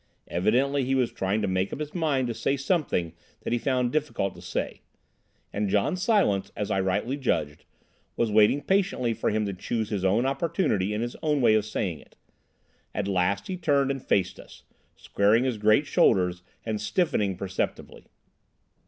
Evidently he was trying to make up his mind to say something that he found it difficult to say. And John Silence, as I rightly judged, was waiting patiently for him to choose his own opportunity and his own way of saying it. At last he turned and faced us, squaring his great shoulders, and stiffening perceptibly.